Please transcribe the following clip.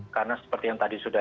karena seperti yang tadi sudah